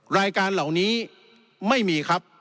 รายการเหล่านี้ไม่มีครับ